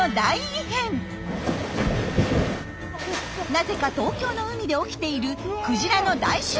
なぜか東京の海で起きているクジラの大集結。